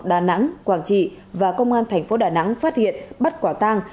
đà nẵng quảng trị và công an thành phố đà nẵng phát hiện bắt quả tang